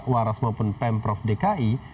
waras maupun pemprov dki